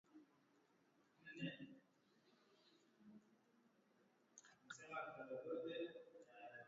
Washambuliaji wasiojulikana waliokuwa na silaha wamewaua wanajeshi kumi na moja wa Burkina Faso na kuwajeruhi wengine wanane.